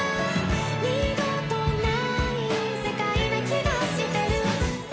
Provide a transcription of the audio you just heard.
「二度とない世界な気がしてる」